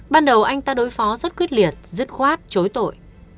ban đầu anh ta đối phó rất quyết liệt dứt khoát chối tội